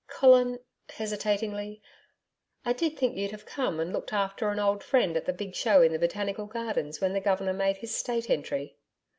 Colin' hesitatingly, 'I did think you'd have come and looked after an old friend at the big Show in the Botanical Gardens when the Governor made his State Entry.'